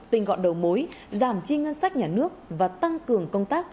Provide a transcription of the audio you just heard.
tinh gọn đầu mối giảm chi ngân sách nhà nước và tăng cường công tác